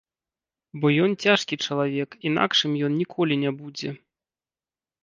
Бо ён цяжкі чалавек, інакшым ён ніколі не будзе.